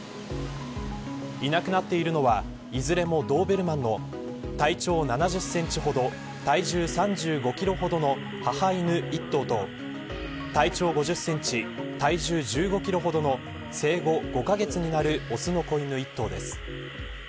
いなくなっているのはいずれもドーベルマンの体長７０センチほど体重３５キロほどの母犬１頭と体長５０センチ体重１５キロほどの生後５カ月になるオスの子犬１頭です。